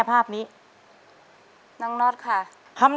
ต้นไม้ประจำจังหวัดระยองการครับ